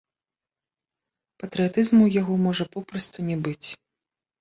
Патрыятызму ў яго можа папросту не быць!